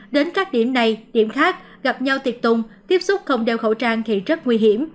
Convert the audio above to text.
đến các điểm này điểm khác gặp nhau tiệc tùng tiếp xúc không đeo khẩu trang thì rất nguy hiểm